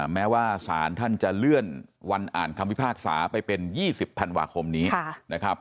แม้ว่าสารท่านจะเลื่อนวันอ่านคำพิพากษาไปเป็น๒๐ธันวาคมนี้นะครับ